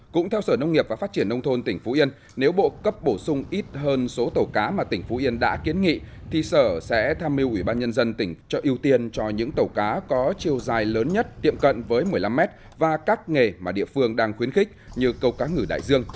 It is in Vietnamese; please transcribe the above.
cũng theo sở nông nghiệp và phát triển nông thôn tỉnh phú yên nếu bộ cấp bổ sung ít hơn số tàu cá mà tỉnh phú yên đã kiến nghị thì sở sẽ tham mưu ủy ban nhân dân tỉnh cho ưu tiên cho những tàu cá có chiều dài lớn nhất tiệm cận với một mươi năm m và các nghề mà địa phương đang khuyến khích như cầu cá ngửi đại dương